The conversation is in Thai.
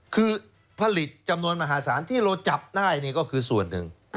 คือผลิตจำนวนมหาศาลที่เราจับได้นี่ก็คือส่วนหนึ่ง